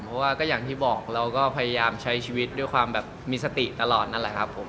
เพราะว่าก็อย่างที่บอกเราก็พยายามใช้ชีวิตด้วยความแบบมีสติตลอดนั่นแหละครับผม